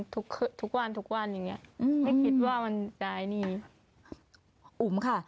ทุกวันทุกวันอย่างนี้ไม่คิดว่ามันได้นี่อุ๋มค่ะ